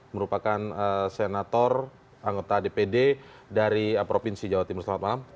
merupakan senator anggota dpd dari provinsi jawa timur selamat malam